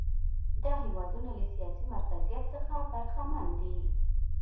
دا هېوادونه له سیاسي مرکزیت څخه برخمن دي.